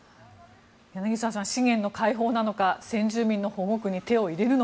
柳澤さん資源の開放なのか先住民の保護区を。